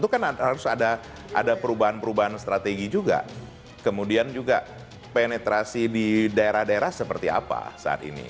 karena ada perubahan perubahan strategi juga kemudian juga penetrasi di daerah daerah seperti apa saat ini